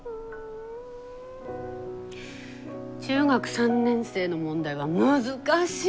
中学３年生の問題は難しい！